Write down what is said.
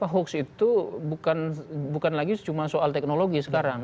hoax itu bukan lagi cuma soal teknologi sekarang